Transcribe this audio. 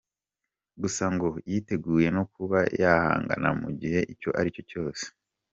Gusa ngo yiteguye no kuba yahangana mu gihe icyo ari cyo cyose.